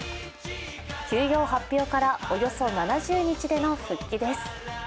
休養発表から、およそ７０日での復帰です。